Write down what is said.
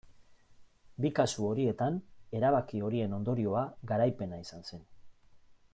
Bi kasu horietan erabaki horien ondorioa garaipena izan zen.